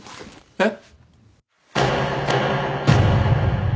えっ。